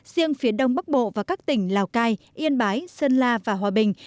riêng phía đông bắc bộ và các tỉnh lào cai yên bái sơn la và hòa bình